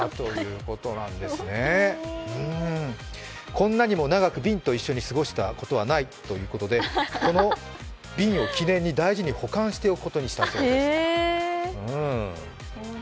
こんなにも長く瓶と一緒に過ごしたことはないということでこの瓶を記念に大事に保管しておくことにしたということです。